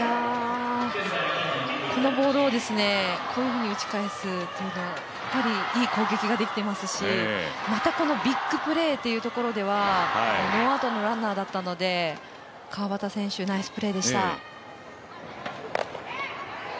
このボールをこういうふうに打ち返すというのはやっぱりいい攻撃ができていますし、またこのビッグプレーというところではノーアウトのランナーだったので川畑選手、ナイスプレーでした。